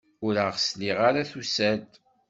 Ur as-sliɣ ara tusa-d.